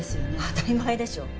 当たり前でしょう。